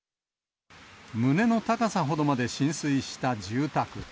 胸の高さほどまで浸水した住宅。